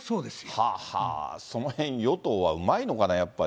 そのへん、与党はうまいのかな、やっぱり。